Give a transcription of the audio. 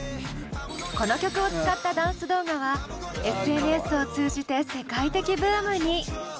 この曲を使ったダンス動画はＳＮＳを通じて世界的ブームに！